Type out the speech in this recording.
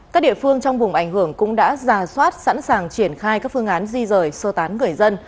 các địa phương trong vùng ảnh hưởng cũng đã giả soát sẵn sàng triển khai các phương án di rời sơ tán người dân